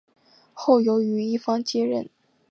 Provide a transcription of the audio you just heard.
后由于一方接任。